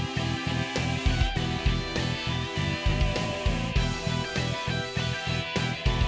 pasti jadi jahat main main warung kayak gitu